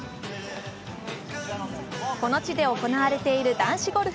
この地で行われている男子ゴルフ